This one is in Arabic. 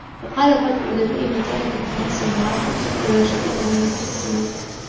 وَقَالَ بَعْضُ الْأُدَبَاءِ مَنْ تَرَكَ الْتِمَاسَ الْمَعَالِي بِسُوءِ الرَّجَاءِ لَمْ يَنَلْ جَسِيمًا